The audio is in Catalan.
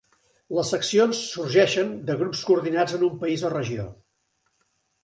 Les seccions sorgeixen de grups coordinats en un país o regió.